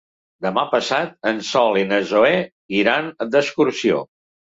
Demà passat en Sol i na Zoè iran d'excursió.